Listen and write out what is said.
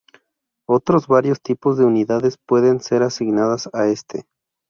Otros varios tipos de unidades pueden ser asignadas a este.